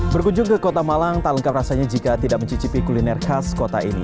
berkunjung ke kota malang tak lengkap rasanya jika tidak mencicipi kuliner khas kota ini